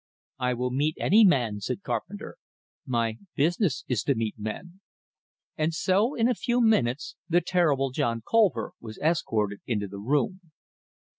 "I will meet any man," said Carpenter. "My business is to meet men." And so in a few minutes the terrible John Colver was escorted into the room.